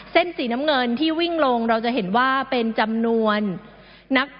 เส้นสีน้ำเงินที่วิ่งลงเราจะเห็นว่าเป็นจำนวนนัก